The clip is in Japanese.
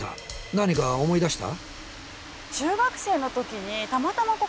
何か思い出した？